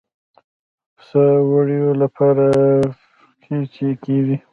پسه د وړیو لپاره قیچي کېږي.